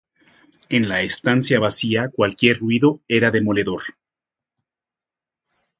En la estancia vacía cualquier ruido era demoledor